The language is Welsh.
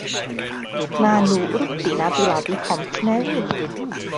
Maen nhw wrthi'n adeiladu pont newydd.